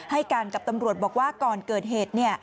ให้การกับตำรวจบอกว่าก่อนเกิดเหตุ